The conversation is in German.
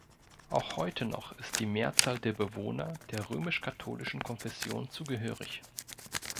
Auch heute noch ist die Mehrzahl der Bewohner der römisch-katholischen Konfession zugehörig.